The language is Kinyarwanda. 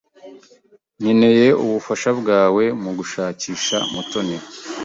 Nkeneye ubufasha bwawe mugushakisha Mutoni.